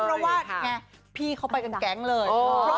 เพราะว่าไงพี่เขาไปกันแก๊งเลย